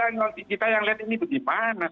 nanti kita yang lihat ini bagaimana